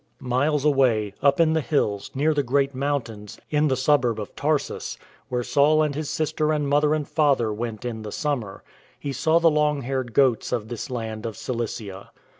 Miles away, up in the hills, near the great mountains, in the suburb of Tarsus, where Saul and his sister and mother and father went in the summer, he saw the long haired goats of this land of Cilicia.